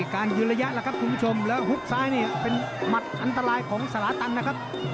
การยืนระยะแล้วครับคุณผู้ชมแล้วหุบซ้ายนี่เป็นหมัดอันตรายของสลาตันนะครับ